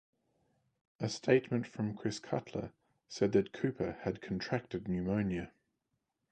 A statement from Chris Cutler said that Cooper had contracted pneumonia.